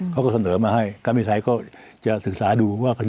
เค้าก็เสนอมาให้ก็ไม่ใช่เค้าจะศึกษาดูว่า